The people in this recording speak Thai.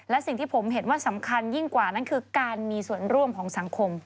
และสิ่งที่ผมเห็นว่าสำคัญยิ่งกว่านั้นคือการมีส่วนร่วมของสังคม